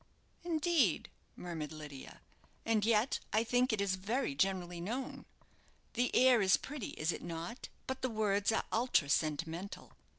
"Indeed!" murmured Lydia; "and yet I think it is very generally known. The air is pretty, is it not? But the words are ultra sentimental."